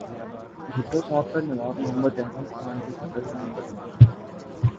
بھٹو صاحب پر نواب محمد احمد خان کے قتل کا مقدمہ تھا۔